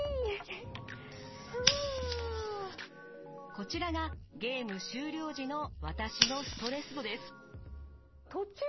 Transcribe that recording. こちらがゲーム終了時の私のストレス度です。